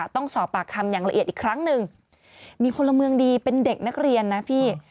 ต้องสอบปากคำอย่างละเอียดอีกครั้งหนึ่งมีพลเมืองดีเป็นเด็กนักเรียนนะพี่